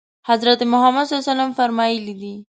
حضرت محمد صلی الله علیه وسلم فرمایلي دي.